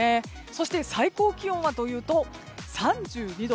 そして最高気温はというと３２度。